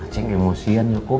ceng emosian ya kum